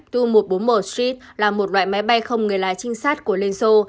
tu một trăm bốn mươi một là một loại máy bay không người lái chính xác của liên xô